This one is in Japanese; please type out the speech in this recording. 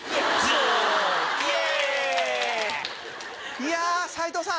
いや斎藤さん